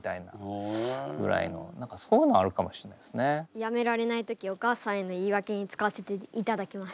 やめられない時お母さんへの言い訳に使わせていただきます。